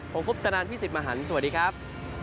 ผมคุปตนันพี่สิทธิ์มหันฯสวัสดีครับ